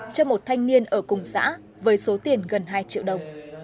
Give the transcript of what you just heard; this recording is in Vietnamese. cho một thanh niên ở cùng xã với số tiền gần hai triệu đồng